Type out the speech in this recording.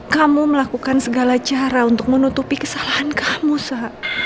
kamu melakukan segala cara untuk menutupi kesalahan kamu saha